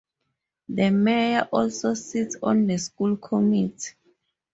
The mayor also sits on the school committee.